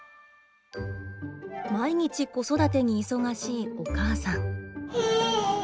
毎日子育てに忙しいお母さん。